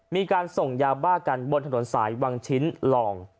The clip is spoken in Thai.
มีการส่งยาบ้ากันบนถนนสายวังชิ้นลอง